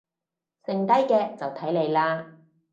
剩低嘅就睇你喇